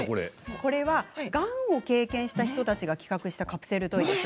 がんを経験した人たちが作ったカプセルトイです。